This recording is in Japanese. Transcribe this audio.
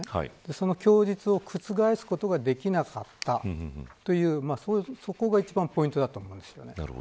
その供述を覆すことができなかったというそこが一番ポイントだと思います。